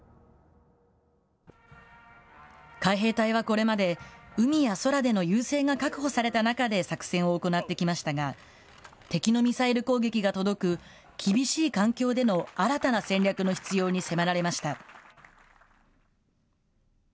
海兵隊はこれまで、海や空での優勢が確保された中で作戦を行ってきましたが、敵のミサイル攻撃が届く厳しい環境での新たな戦略の必要に迫られました。